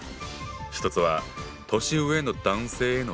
１つは「年上の男性」への敬称。